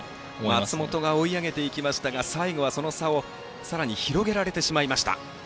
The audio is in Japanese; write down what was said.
松本が追い上げていきましたが最後は、その差をさらに広げられてしまいました。